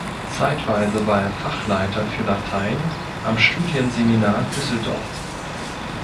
Zeitweise war er Fachleiter für Latein am Studienseminar Düsseldorf.